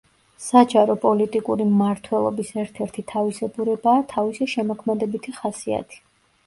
საჯარო-პოლიტიკური მმართველობის ერთ-ერთი თავისებურებაა თავისი შემოქმედებითი ხასიათი.